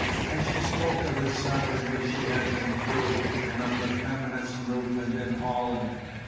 And she spoke of the suffering which she had been through and of the feminist movement in Holland.